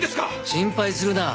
心配するな。